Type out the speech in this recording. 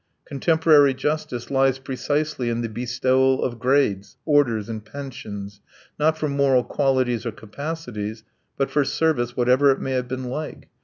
Contemporary justice lies precisely in the bestowal of grades, orders, and pensions, not for moral qualities or capacities, but for service whatever it may have been like.